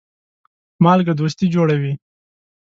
مالګه دوستي جوړوي.